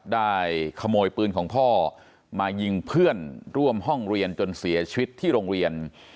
ได้ขโมยปืนของพ่อมายิงเพื่อนร่วมห้องเรียนจนเสียชีวิตที่โรงเรียน